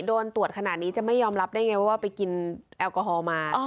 โดนตรวจขนาดนี้จะไม่ยอมรับได้ไงว่าไปกินแอลกอฮอล์มา